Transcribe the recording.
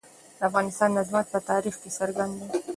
د افغانستان عظمت په تاریخ کې څرګند دی.